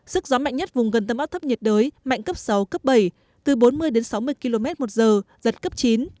sức gió mạnh nhất vùng gần tâm áp thấp nhiệt đới mạnh cấp sáu cấp bảy từ bốn mươi đến sáu mươi km một giờ giật cấp chín